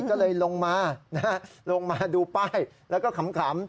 ก็เลยลงมาลงมาดูป้ายแล้วก็ขำ